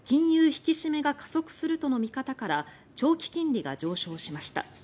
引き締めが加速するとの見方から長期金利が上昇しました。